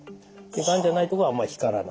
がんじゃないとこはあんまり光らない。